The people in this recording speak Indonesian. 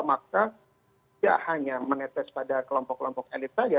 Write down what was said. maka tidak hanya menetes pada kelompok kelompok elit saja